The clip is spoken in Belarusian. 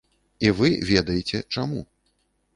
І вы ведаеце чаму.